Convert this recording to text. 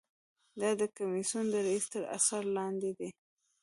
دا د کمیسیون د رییس تر اثر لاندې ده.